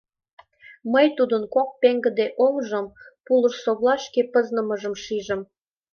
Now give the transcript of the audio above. Мый тудын кок пеҥгыде оҥжын пулышсовлашкем пызнымыжым шижым.